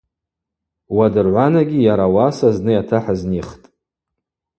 Уадыргӏванагьи йара ауаса зны йатахӏызнихтӏ.